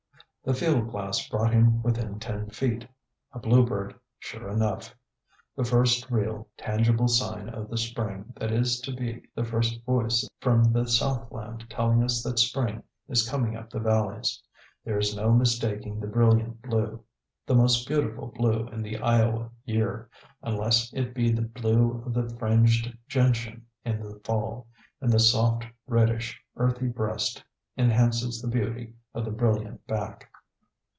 The field glass brought him within ten feet. A bluebird, sure enough! The first real, tangible sign of the spring that is to be, the first voice from the southland telling us that spring is coming up the valleys. There is no mistaking the brilliant blue, the most beautiful blue in the Iowa year, unless it be the blue of the fringed gentian in the fall; and the soft reddish, earthy breast enhances the beauty of the brilliant back.